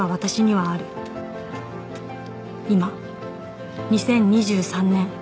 今２０２３年